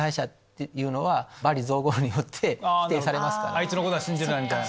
「あいつのことは信じるな」みたいな。